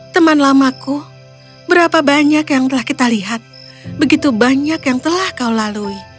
teman lamaku berapa banyak yang telah kita lihat begitu banyak yang telah kau lalui